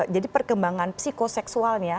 jadi perkembangan psikoseksualnya